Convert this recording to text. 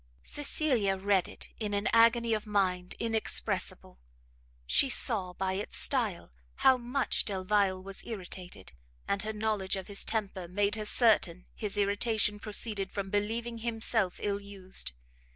Cecilia read it in an agony of mind inexpressible: she saw, by its style, how much Delvile was irritated, and her knowledge of his temper made her certain his irritation proceeded from believing himself ill used.